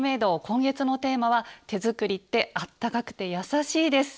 今月のテーマは「手作りってあったかくて、やさしい」です。